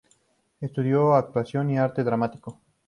Estudió actuación y arte dramático.